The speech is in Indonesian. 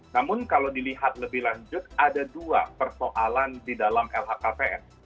namun kalau dilihat lebih lanjut ada dua persoalan di dalam lhkpn